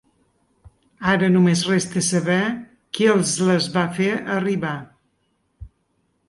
Ara només resta saber qui els les va fer arribar.